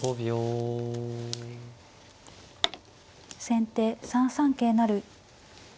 先手３三桂成。